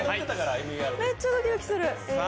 めっちゃドキドキする。